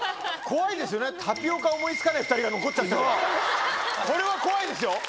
怖いですよね、タピオカ思いつかない２人が残っちゃった、これは怖いですよ。